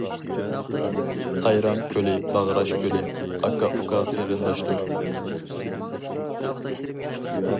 سايرام كۆلى باغراش كۆلى، ئاكا-ئۇكا قېرىنداشتۇر.